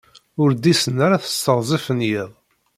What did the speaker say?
Ur ḍḍisen ara s teɣzef n yiḍ.